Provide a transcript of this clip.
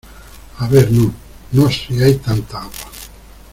a ver no, no si hay tanta agua ;